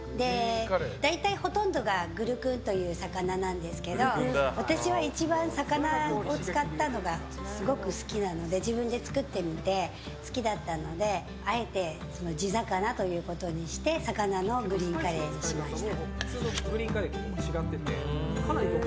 大体ほとんどがグルクンという魚なんですけど私は一番、魚を使ったのがすごく好きなので自分で作ってみて好きだったのであえて地魚ということにして魚のグリーンカレーにしました。